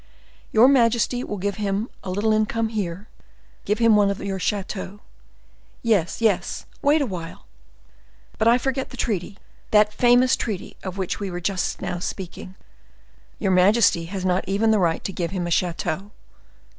Your majesty will give him a little income here; give him one of your chateaux. Yes, yes—wait awhile. But I forget the treaty—that famous treaty of which we were just now speaking. Your majesty has not even the right to give him a chateau."